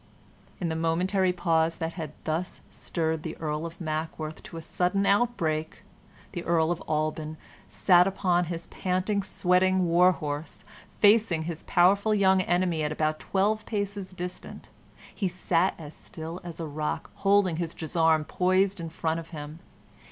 In the momentary pause that had thus stirred the Earl of Mackworth to a sudden outbreak, the Earl of Alban sat upon his panting, sweating war horse, facing his powerful young enemy at about twelve paces distant. He sat as still as a rock, holding his gisarm poised in front of him.